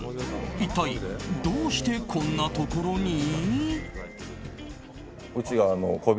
一体どうしてこんなところに？